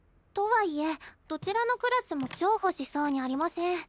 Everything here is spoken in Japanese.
とはいえどちらのクラスも譲歩しそうにありません。